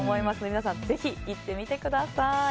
皆さん、ぜひ行ってみてください。